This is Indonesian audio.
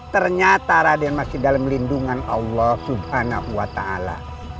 ternyata raden masih dalam lindungan allah subhanahu wa ta'ala